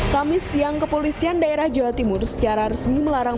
kamis siang kepolisian daerah jawa timur secara resmi melarang